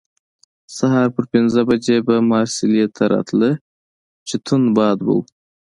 سهار پر پنځه بجې به مارسیلي ته راته، چې توند باد به وو.